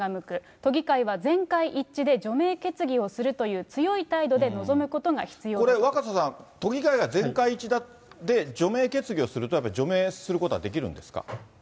都議会は全会一致で除名決議をするという強い態度で臨むことが必これ、若狭さん、都議会が全会一致で除名決議をすると、やっぱり除名することはできるんですか？